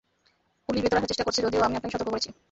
Police ভেতরে আসার চেষ্টা করছে যদিও আমি আপনাকে সতর্ক করেছি।